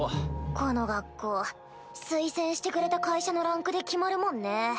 この学校推薦してくれた会社のランクで決まるもんね。